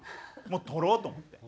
もう取ろうと思って。